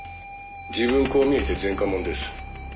「自分こう見えて前科者です」